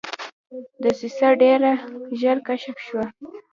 دسیسه ډېره ژر کشف شوه.